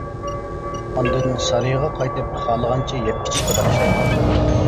ئاندىن سارىيىغا قايتىپ خالىغانچە يەپ-ئىچىشكە باشلايدۇ.